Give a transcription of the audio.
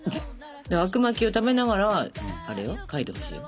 あくまきを食べながらあれよ描いてほしいよ。